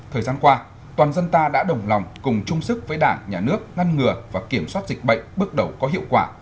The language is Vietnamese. thời gian qua toàn dân ta đã đồng lòng cùng chung sức với đảng nhà nước ngăn ngừa và kiểm soát dịch bệnh bước đầu có hiệu quả